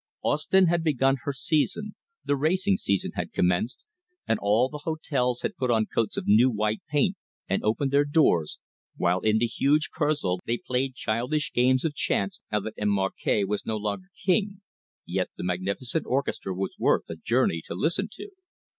Ostend had begun her season, the racing season had commenced, and all the hotels had put on coats of new, white paint, and opened their doors, while in the huge Kursaal they played childish games of chance now that M. Marquet was no longer king yet the magnificent orchestra was worth a journey to listen to.